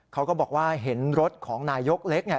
เขาก็บอกว่าเห็นรถของนายกเล็กเนี่ย